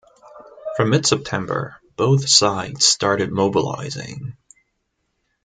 From mid-September, both sides started mobilizing.